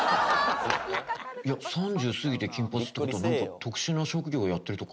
いや３０過ぎて金髪って事はなんか特殊な職業をやってるとか？